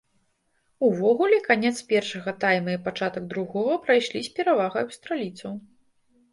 Увогуле, канец першага тайма і пачатак другога прайшлі з перавагай аўстралійцаў.